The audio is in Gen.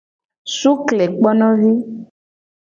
Suklekponovi.